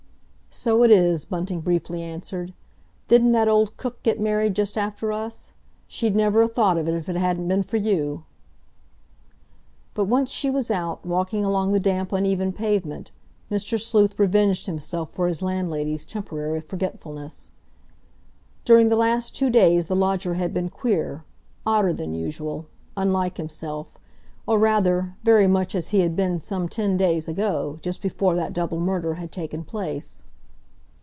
"So it is," Bunting briefly answered. "Didn't that old cook get married just after us? She'd never 'a thought of it if it hadn't been for you!" But once she was out, walking along the damp, uneven pavement, Mr. Sleuth revenged himself for his landlady's temporary forgetfulness. During the last two days the lodger had been queer, odder than usual, unlike himself, or, rather, very much as he had been some ten days ago, just before that double murder had taken place.